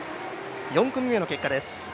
４組目の結果です。